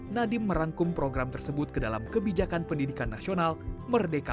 nadiem merangkum program tersebut ke dalam kebijakan pendidikan nasional merdeka